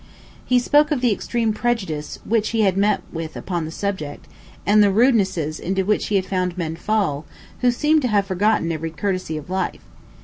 He spoke of the extreme prejudice which he had met upon the subject, and the rudeness's into which he had found men fall, who seemed to have forgotten every courtesy of life.